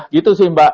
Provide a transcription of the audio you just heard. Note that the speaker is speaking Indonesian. gitu sih mbak